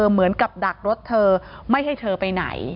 เหมือนกับดักรถเธอไม่ให้เธอไปไหน